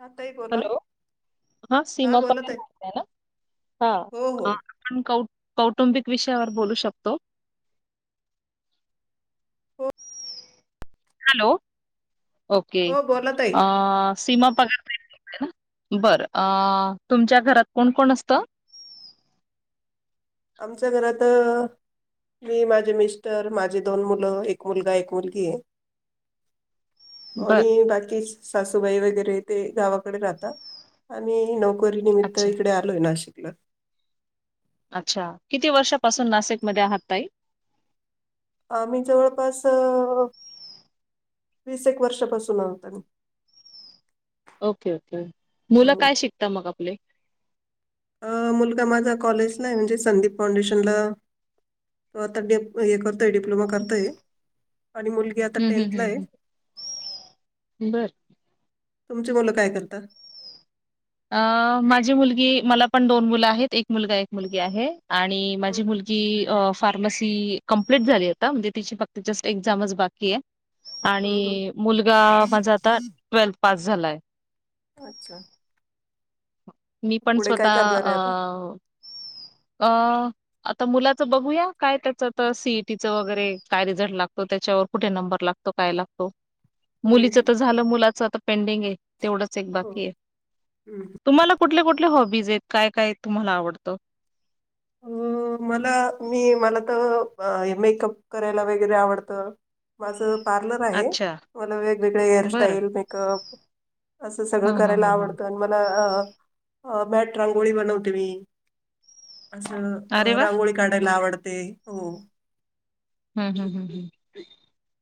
हा ताई बोला. हॅलो हा सीमा बोला पगारे ताई बोलताय ना? हा. हो हो हा. आपण कौ कौटुंबिक विषयावर बोलू शकतो? हो हॅलो, ओके. हो बोला ताई अ सीमा पगार ताई बोलताय ना. बरं. अ तुमच्या घरात कोण- कोण असतं? आमच्या घरात मी, माझे मिस्टर, माझी दोन मुलं. एक मुलगा, एक मुलगीय. [inaudible] बर आणि बाकी सासूबाई वगैरे. ते गावाकडे राहता. आम्ही नोक नोकरी निमित्त, अच्छा इकडे आलोय नाशिकला. अच्छा. किती वर्षापासून नाशिकमध्ये आहात ताई? आम्ही जवळपास अ वीस एक वर्षापासून आहोत आम्ही. Okay, okay. मुलं हम्म. काय शिकता, मग आपले? अ मुलगा माझा कॉलेजलाय म्हणजे संदीप फाउंडेशनला. तो आता डेप हे करतोय, डिप्लोमा करतोय आणि मुल आता हं, हं, टेंथ ला हं, ये, हं. बर तुमची मुलं काय करता? अ.. माझी मुलगी मला पण दोन मुलं आहेत. एक मुलगा एक मुलगी आहे. आणि हम्म, माझी मुलगी की फार्मसी कंप्लीट झाली आता म्हणजे तिची, फक्त जस्ट एक्झामच बाकी ये. हम्म, हम्म. आणि मुलगा माझा आता ट्वेल्थ पास झालाय. अच्छा. मी पण पुढे काय स्वतः करणार आहे आता? आं अं. आता मुलाचं बघूया काय त्याचं आता, सी ई टी चं वगैरे काय रिझल्ट लागतो त्यांच्यावर. कुठे नंबर लागतो, काय लागतो? मुलीच हम्म तर झालं मुलाच आता, पेडिंग ये तेवढंच एक हो. बाकी ये. हम्म. तुम्हाला कुठल्या कुठल्या हॉबीज येत, काय काय तुम्हांला आवडतं? अंम मला मी, मला तर अं मेकअप करायला वगैरे आवडतं. माझं पार्लर आहे. अच्छा मला वेगवेगळे बरं हेअरस्टाईल मेकअप. असं सगळं हं हं करायला हं हं आवडतं. अन मला अ मॅट रांगोळी बनवते मी. असं अरे वा रांगोळी काढायला आवडते हो. हं हं हं हं.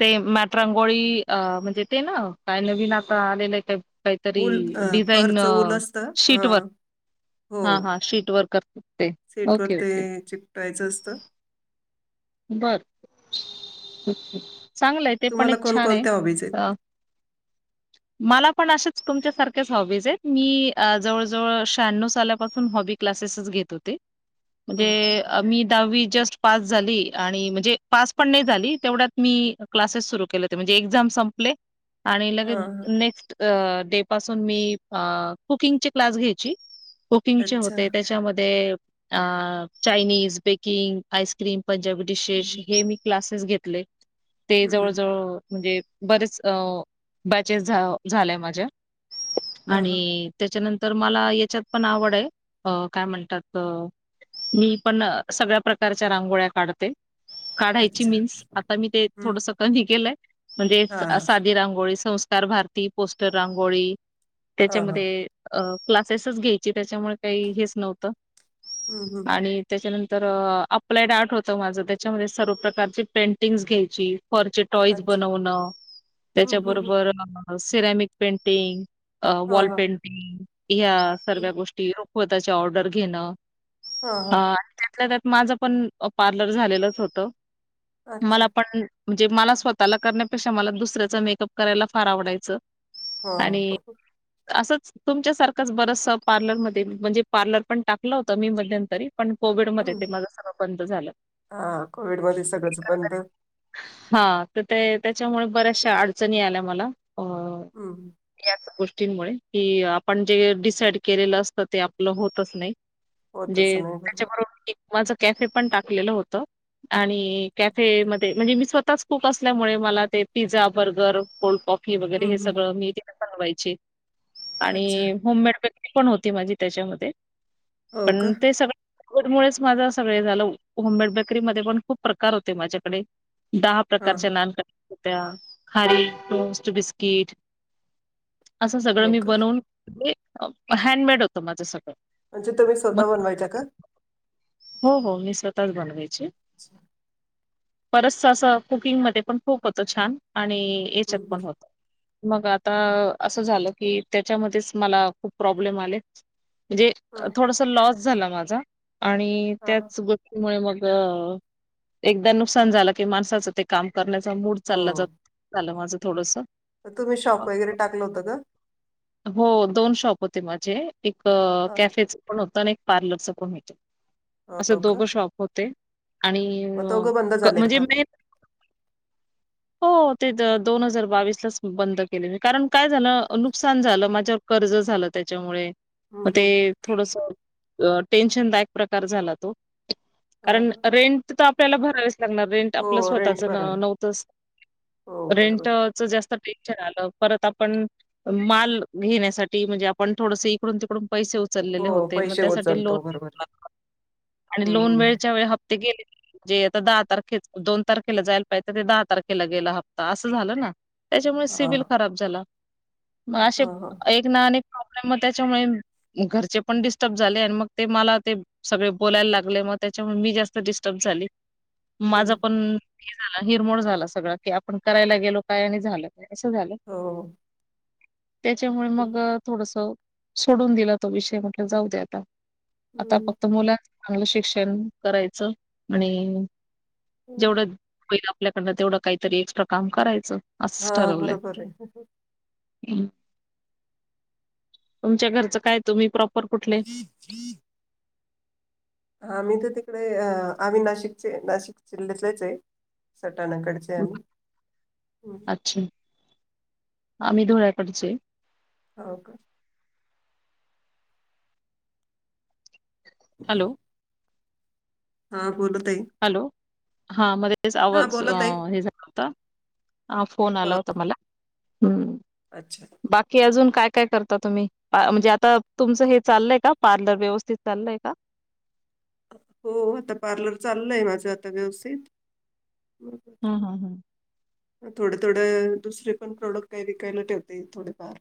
ते मॅटरांगोळी अ म्हणजे ते ना, काय नवीन आता आलेले ते. काहीतरी ऊल अं, डिझाईन फरचं ऊल असतं. हा. शीट वर. हो. हा हा, शीटवर करतात ते ओके ओके. कायचं असतं. बर चांगलंय. ते पण, तुम्हाला एक छान ये. कोणकोणत्या हॉबीज आहेत? [inaudible] मला पण अशेच तुमच्यासारख्याच हॉबीज आहेत. मी जवळ जवळ शहाण्णव सालापासून हॉबी. क्लासेस चं घेत होते. हो का? म्हणजे मी दहावी जस्ट पास झाली. आणि म्हणजे पास पण नाही झाली तेवढ्यात मी, क्लासेस सुरू केले होते. म्हणजे, एक्झाम संपले. आणि लगेच हा. नेक्स्ट. डे पासून मी कुकिंग चे क्लास घ्यायची. कुकिंगचे अच्छा. होते. त्यांच्यामध्ये Chinese, baking, ice cream, Punjabi dishes हम्म. हे, मी क्लासेस घेतले. ते हम्म. जवळ जवळ. म्हणजे बरेच बॅचेस झा झाल्या माझ्या हा हा. आणि. त्याच्यानंतर मला, ये च्यात पण आवडाय. अ काय म्हणतात अ.. मी पण अं सगळ्या प्रकारच्या रांगोळ्या काढते काढायची अच्छा मीन्स. आता मी ते, हं. थोडंसं कमी केलंय. म्हणजे हां, हां. साधी रांगोळी संस्कार भारती, पोस्टर रांगोळी हां, हां. तेच्यामध्ये. अ क्लासेसच घ्यायची त्यांच्यामुळे काही हेच नव्हतं. हं, हं. आणि, त्याच्यानंतर अप्लाइड आर्ट होत तव माझं त्यांच्यामध्ये सर्व प्रकारची पेंटिंग्ज घ्यायची. फॉर्चट टॉईज अच्छा. बनवणं, हं, हं, हं. त्यांच्याबरोबर सिरॅमिक पेंटिंग. अ हां, वॉल हां. पेंटिंग या हं. सर्व्या गोष्टी, रूकवताच्या ऑर्डर घेणं. हां, अ हां. आणि त्यांतल्या त्यात माझं पण, पार्लर झालेलंच होत. अच्छा. मला पण, म्हणजे मला स्वतःला करण्यापेक्षा, मला दुसऱ्याचा मेकअप करायला फार आवडायचं. आणि, हां. असंच तुमच्यासारखंच बरचस पार्लरमध्ये म्हणजे, पार्लर पण टाकलं होतं मी मध्यंतरी पण कोविडमध्ये ते, माझं सगळं बंद झालं. हा कोविड मध्ये सगळंच बंद हा, तर ते त्याच्यामुळे बऱ्याचशा अडचणी आल्या मला अ हम याच गोष्टींमुळे कि आपण जे डिसाईड केलेलं असतं, ते आपलं होतच नाही. होतच म्हणजे, नाही बरोबर. त्याच्याबरोबर एक माझं कॅफे पण टाकलेलं होत. आणि कॅफे मध्ये म्हणजे, मी स्वतःच कुक असल्यामुळे मला ते पिझ्झा बर्गर कोल्डपॉक वगैरे हं, हे हं. सगळं मी तिथ बनवायची, अच्छा. आणि होममेड पण होती माझी त्याच्यामध्ये, हो का? पण ते सगळमुळेच माझा सगळ हे झालं होममेड बेकरी मध्ये पण खूप प्रकार होते माझ्याकडे दहा हां, प्रकारच्या हां. नानक खारी, टोस्ट, बिस्किट असं सगळं हो मी का? बनवून हैण्डमेड होत माझ सगळं. म्हणजे तुम्ही स्वतः मग बनवायच्या का? हो हो मी स्वतःच बनवायचे. अच्छा. परत असं कुकिंगमध्ये पण खूप होत छान, आणि हं, येच्यात हं. पण होत. मग आता असं झालं की, त्याच्यामध्येच मला खूप प्रॉब्लेम आले म्हणजे हां, थोडासा लॉस झाला माझा आणि त्याच हां. सोबत मग एकदा नुकसान झालं की माणसाचं ते काम करण्याचा मूड चालला जात. हो. झालं माझं थोडस तुम्ही शॉप वगैरे टाकलं होतं ना! हो दोन शॉप होते माझे, एक हां. कॅफे पण होत, आणि एक पार्लरच पण होत असे हो का? दोघं शॉप होते. आणि मग दोघं बंद हे झाले का म्हणजे आता? मी हो ते दोन हजार बावीस लाच बंद कारण काय झालं नुकसान झालं माझ्यावर कर्ज झालं, त्याच्यामुळे हं, म ते हं. थोडस टेन्शनदायक प्रकार झाला तो, हो कारण, का? रेंट तर आपल्याला भरावेच कारण, रेंट आपलं हो, रेंट स्वतःच वर आहे. नव्हतच हो, रेंट बरोबर. जर जास्त टेक्चर आलं परत आपण माल घेण्यासाठी म्हणजे, आपण थोडस इकडून तिकडून पैसे उचललेले हो, होते, मग पैसे त्यासाठी लोन उचलतो. बरोबर आहे. आणि हं, लोन हं. वेळच्या वेळी हप्ते गेले जे आता दहा तारखे दोन तारखेला जायला पाहिजे, ते दहा तारखेला गेला हप्ता असं झालं ना! त्याच्यामुळे हा सिविल खराब झाला, मग असे हा हा एक प्रॉब्लेम त्याच्यामुळे घरचे पण डिस्टर्ब झाले, आणि मग ते मला ते सगळे बोलायला लागले, मग त्याच्यामुळे मी जास्त डिस्टर्ब झाली, माझं हम्म पण झाला हिरमोड झाला सगळं की, आपण करायला गेलो काय! आणि, झालं काय! असं झालं. हो त्याच्यामुळे, मग थोडस सोडून दिला तो विषय म्हटल जाऊ दे आता. आता हम्म फक्त मुलाच चांगलं शिक्षण करायचं, आणि हम्म. जेवढं होईल आपल्याकडनं तेवढं काहीतरी एक्स्ट्रा काम करायचं. असच हा ठरवलंय. बरोबर आहे. हं तुमच्या घरचं काय, तुम्ही प्रॉपर कुठले? [unintelligible] आम्ही तर तिकडे अह आम्ही नाशिकचे नाशिक [unintelligible] आहे सटाणाकडे अच्छा आम्ही धुळ्याकडचे. हो का. हॅलो! हा बोला ताई. हॅलो हा मध्ये तेच हा आवाज बोला ताई हे झाला होता आह फोन हा. आला होता मला. हम्म. अच्छा. बाकी अजून काय काय करता तुम्ही? अह म्हणजे आता तुमचं हे चाललय का पार्लर व्यवस्थित चाललय का? हो आता पार्लर चाललय माझं आता व्यवस्थित. हा हा. थोडं थोडं दुसरे पण प्रोडक्ट काही विकायला ठेवते थोडेफार.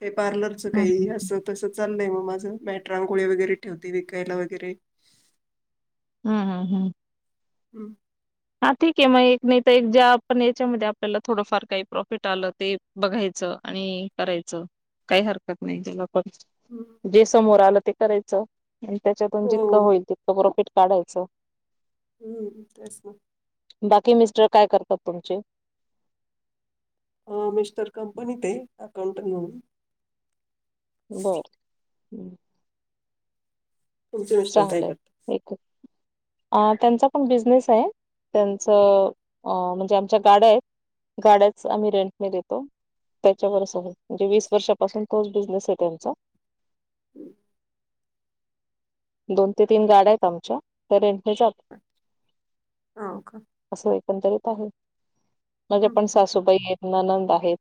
ते पार्लरचं हं हं काही हं. असं तस चाललंय म माझ मॅट रांगोळी वगैरे ठेवते विकायला वगैरे. हम्म हम्म. हो. हा ठीक आहे मग एक नाही तर एक ज्या आपण याच्यामध्ये आपल्याला थोडंफार काही प्रॉफिट आलं ते बघायचं आणि करायचं काय हरकत नाही त्याला पण. हम्म जे समोर आलं ते करायचं च आणि त्याच्यातून हो जितकं होईल तितकं प्रॉफिट काढायचं. हम्म तेच ना. बाकी मिस्टर काय करतात तुमचे? अह मिस्टर कंपनीत आहे अकाउंटंट म्हणून. [unintelligible] तुमचे मिस्टर काय चांगलंय करतात? ते. अह त्यांचा पण बिझनेस आहे त्यांचं अह म्हणजे आमच्या गाड्या आहेत. गाड्याच आम्ही रेंटने देतो. त्याच्यावर म्हणजे वीस वर्षापासून तोच बिझनेस आहे त्यांचा हम्म. दोन ते तीन गाड्या आहेत आमच्या ते रेंटने जात अच्छा हो का. असं एकंदरीत आहे. माझ्या पण हम्म. सासूबाई आहेत, ननंद आहेत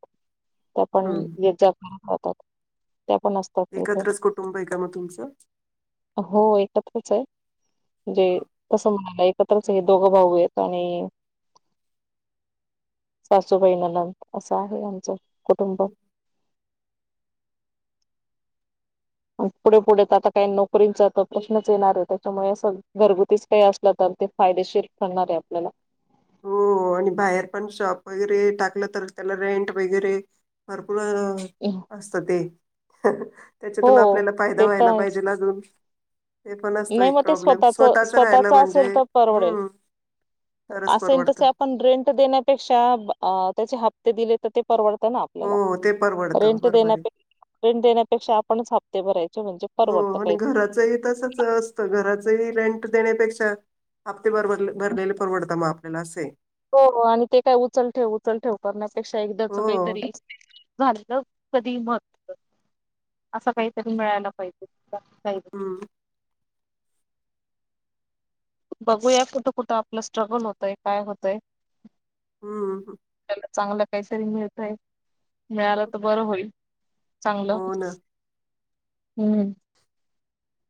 त्या पण हम्म येत जात राहतात त्या पण असतात तिथे एकत्रच कुटुंब आहे का मग तुमचं? हो एकत्रच आहे म्हजे हा. तसं म्हणायला एक [unintelligible] हे दोघं भाऊ आहेत आणि सासूबाई नंनद असं आहे आमचं कुटुंब. पुढे पुढे आता काही नोकरींचा प्रश्नच येणार आहे त्याच्यामुळे असं घरगुतीच काही अस आपल्या तर ते फायदेशीर ठरणार आहे आपल्याला हो आणि बाहेर पण शॉप वगैरे टाकलं तर त्याला रेंट वगैरे भरपूर आहे ना ए असत ते त्याच्यातून हो आपल्याला फायदा ते तर व्हायला आहेच पाहिजे ना अजून ते पण असतो नाही एक मग ते प्रॉब्लेम. स्वतःच राहिला म्हणजे असेल तर परवडेल हम्म तरच असेल परवडतं तसे आपण रेंट देण्यापेक्षा त्याचे हप्ते दिले, ते परवडत ना आपल्याला हो ते परवडतं रेंट बरोबर आहे. देण्यापे रेंट देण्यापेक्षा आपणच हफ्ते भरायचे, म्हणजे हो परवडतं आणि काही घराचंही तसच असतं, घराचही रेंट देण्यापेक्षा हप्ते भरबर भरलेले परवडत मग आपल्याला असे आहे. हो हो आणि ते काय उचल ठेव, उचल ठेव करण्यापेक्षा एकदाच हो काहीतरी झालं कधी महत् असं काहीतरी मिळायला पाहिजे काही हा बघूया कुठं-कुठं आपलं स्ट्रगल होतंय काय होतंय? हा, हा आपल्याला चांगलं काहीतरी मिळतय, मिळालं तर बरं होईल, चांगलं हो ना, हम्,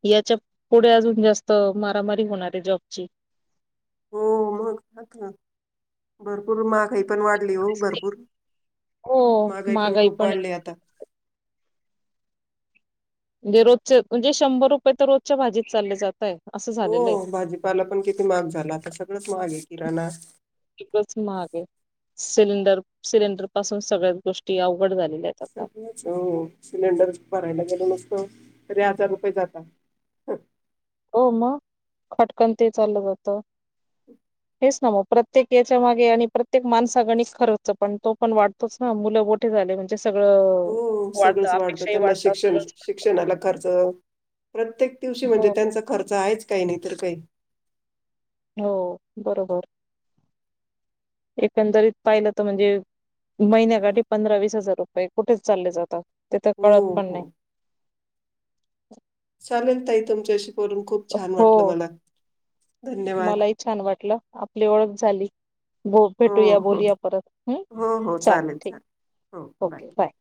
याच्या पुढे अजून जास्त मारामारी होणार आहे जॉबची. हो मग, बर. भरपूर महागाई पण वाढली हो, भरपूर हो महागाई पण खूप वाढली आता. म्हणजे रोजचे म्हणजे शंभर रुपये तर रोजच्या भाजीत चालले जातय. असं हो झालेलं आहे भाजीपाला पण किती महाग झाला. आता सगळंच महाग आहे किराणा. एकच महाग आहे सिलेंडर सिलेंडर पासून सगळ्याच गोष्टी अवघड झाले. हो, सिलेंडर भरायला गेलो नुसतं तरी हजार रुपये जाता. हो मग खटकन ते चाललं जातं. [unintelligible] हेचना, मग प्रत्येक हेच्या मागे आणि प्रत्येक माणसाग आणि खरच पण तो पण वाटतोच ना मु ते झालं म्हणजे सगळं हो वाढतं, सगळंच अपेक्षा त्यांना वाढतं सगळचं शिक्षण वाढतं, शिक्षणाला खर्च प्रत्येक दिवशी म्हणजे हो त्यांचा खर्च आहेच काही नाही तरी काही. हो बरोबर. एकंदरीत पाहिलं तर म्हणजे महिन्या काठी पंधरा, वीस हजार रुपये कुठेच चालले जातात ते तर कळत हो, पण नाही. हो. चालेल ताई तुमच्याशी बोलुन खूप छान हो वाटलं मला धन्यवाद. मलाही छान वाटलं, आपली ओळख झाली. हो भेटूया बोलूया परत ह चालेल ठीक ओके बाय.